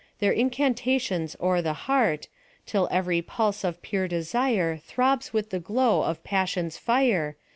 Their incantaticns o'er the heart, Till every pulse of pure desire Throbs with the glow of passion's fire.